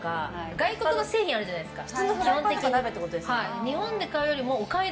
外国の製品あるじゃないですか。